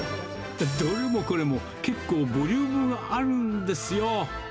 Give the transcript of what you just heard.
どれもこれも、結構ボリュームあるんですよ。